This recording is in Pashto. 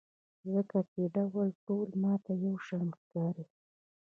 ځکه چې دوی ټول ماته یوشان ښکاري.